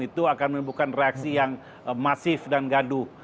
itu akan menimbulkan reaksi yang masif dan gaduh